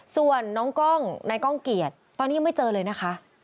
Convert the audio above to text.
ส่วนน้องกล้องนายก้องเกียจตอนนี้ยังไม่เจอเลยนะคะ